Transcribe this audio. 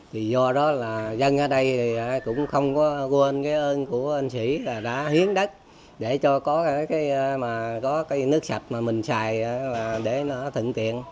thì do đó là dân ở đây cũng không có quên cái ơn của anh sĩ là đã hiến đất để cho có cái nước sạch mà mình xài để nó thận tiện